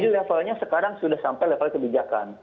levelnya sekarang sudah sampai level kebijakan